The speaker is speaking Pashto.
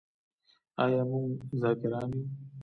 آیا موږ ذاکران یو؟